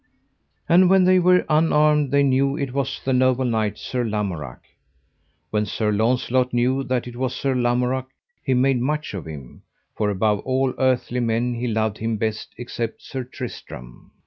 And when they were unarmed they knew it was the noble knight Sir Lamorak. When Sir Launcelot knew that it was Sir Lamorak he made much of him, for above all earthly men he loved him best except Sir Tristram.